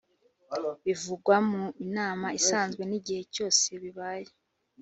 bivugwa mu nama isanzwe n’igihe cyose bibaye